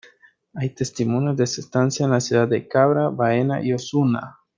Hay testimonios de su estancia en la ciudad de Cabra, Baena y Osuna.